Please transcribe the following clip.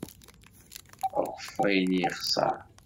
Akeffay-nni yexṣer.